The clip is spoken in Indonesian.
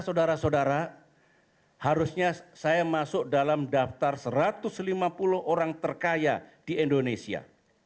saudara saudara harusnya saya masuk dalam daftar satu ratus lima puluh orang terkaya di indonesia